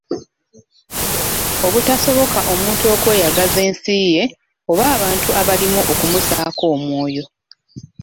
Obutasoboka omuntu okweyagaza ensi ye oba abantu abalimu okumussaako omwoyo.